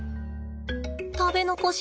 食べ残し